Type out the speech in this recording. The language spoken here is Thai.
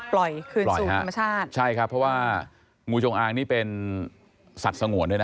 ปล่อยคืนสู่ธรรมชาติใช่ครับเพราะว่างูจงอางนี่เป็นสัตว์สงวนด้วยนะ